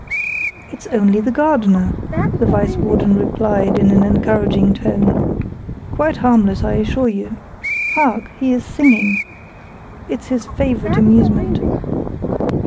"It's only the Gardener!" the Vice Warden replied in an encouraging tone. "Quite harmless, I assure you. Hark, he's singing! Its his favorite amusement."